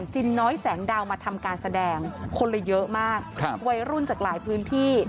จินน้อยแสงดาวมาทำการแสดงคนละเยอะมากวัยรุ่นจากหลายพื้นที่